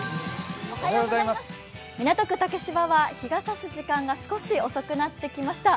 港区竹芝は日がさす時間が少し遅くなってきました。